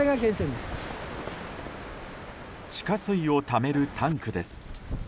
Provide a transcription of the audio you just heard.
地下水をためるタンクです。